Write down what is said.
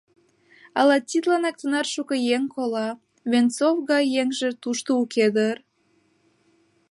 Ала тидланак тынар шуко еҥ кола — Венцов гай еҥже тушто уке дыр.